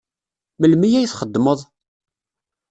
Melmi ay txeddmeḍ?